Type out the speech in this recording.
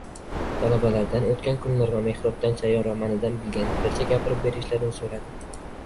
Talabalardan “O‘tkan kunlar” va “Mehrobdan chayon” romanlaridan bilganlaricha gapirib berishlarini so‘radim.